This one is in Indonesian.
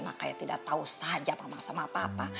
makanya tidak tahu saja mama sama papa